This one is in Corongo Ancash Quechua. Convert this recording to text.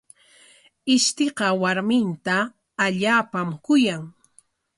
Ishtiqa warminta allaapam kuyan.